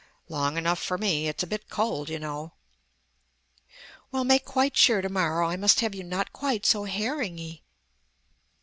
"Long enough for me. It's a bit cold, you know." "Well, make quite sure to morrow. I must have you not quite so herringy."